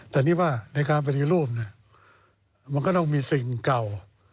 แต่นี่ว่าในการปฏิรูปมันก็ต้องมีสิ่งเก่า